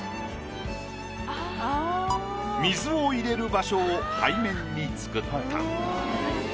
水を入れる場所を背面に作った。